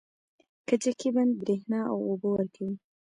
کجکي بند بریښنا او اوبه ورکوي